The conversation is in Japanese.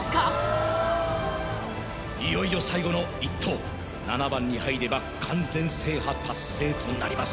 いよいよ最後の１投７番に入れば完全制覇達成となります